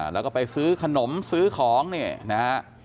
แล้วก็ไปซื้อขนมซื้อของเนี่ยนะฮะ